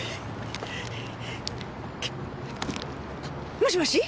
もしもし？